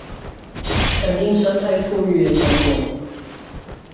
肯定生態復育的成果